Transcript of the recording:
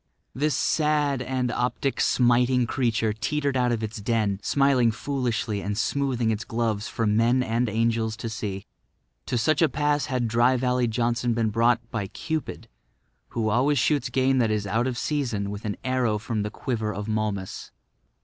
This sad and optic smiting creature teetered out of its den, smiling foolishly and smoothing its gloves for men and angels to see. To such a pass had Dry Valley Johnson been brought by Cupid, who always shoots game that is out of season with an arrow from the quiver of Momus.